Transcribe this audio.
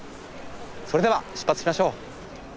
それでは出発しましょう！